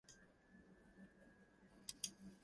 The malware erases victims' hard drives.